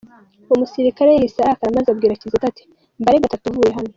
Uwo musirikare yahise arakara maze abwira Kizito ati mbare gatatu uvuye hano.